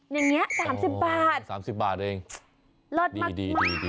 อย่างเนี้ย๓๐บาท๓๐บาทเองรสมาก